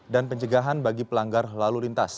dan penjegahan bagi pelanggar lalu lintas